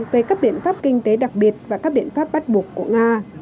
về các biện pháp kinh tế đặc biệt và các biện pháp bắt buộc của nga